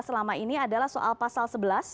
selama ini adalah soal pasal sebelas